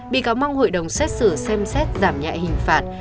bị cáo mong hội đồng xét xử xem xét giảm nhẹ hình phạt